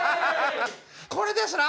これですな！